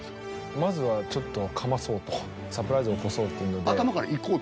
まずはちょっとカマそうとサプライズを起こそうっていうので頭からいこうと？